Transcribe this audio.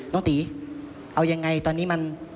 น้องตีเอายังไงตอนนี้มัน